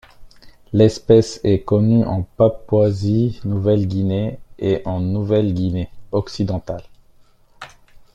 L'espèce est connue en Papouasie-Nouvelle-Guinée et en Nouvelle-Guinée occidentale.